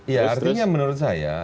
ya artinya menurut saya